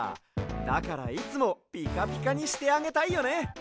だからいつもピカピカにしてあげたいよね。